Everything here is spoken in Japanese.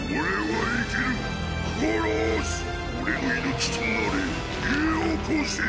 俺の命となれよこせ！